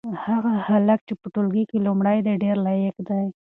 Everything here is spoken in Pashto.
هغه هلک چې په ټولګي کې لومړی دی ډېر لایق دی.